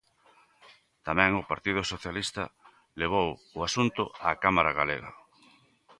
Tamén o Partido Socialista levou o asunto á Cámara galega.